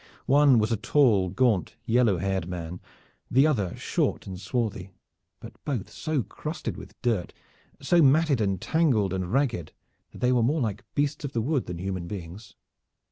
One was a tall, gaunt, yellow haired man, the other short and swarthy, but both so crusted with dirt, so matted and tangled and ragged, that they were more like beasts of the wood than human beings.